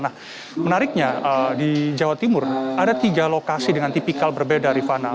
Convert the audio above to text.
nah menariknya di jawa timur ada tiga lokasi dengan tipikal berbeda rifana